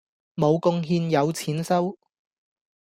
無貢獻有錢收